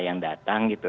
yang datang gitu